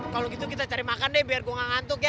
kalau gitu kita cari makan deh biar gue gak ngantuk ya